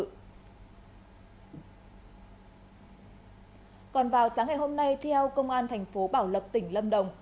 còn vào sáng ngày hôm nay theo công an thành phố bảo lộc tỉnh lâm đồng